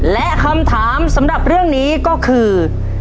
และคำถามสำหรับเรื่องนี้ก็คือ